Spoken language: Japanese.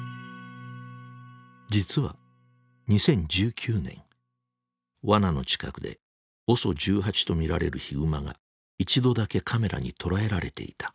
実は２０１９年ワナの近くでＯＳＯ１８と見られるヒグマが一度だけカメラに捉えられていた。